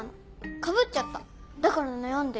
かぶっちゃっただから悩んでる。